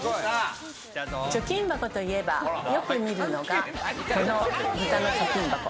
貯金箱といえば、よく見るのがこのブタの貯金箱。